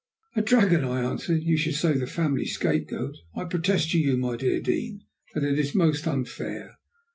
"A dragon?" I answered. "You should say the family scapegoat! I protest to you, my dear Dean, that it is most unfair.